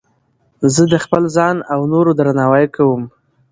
زه د خپل ځان او نورو درناوی کوم.